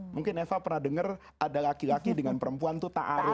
mungkin eva pernah dengar ada laki laki dengan perempuan itu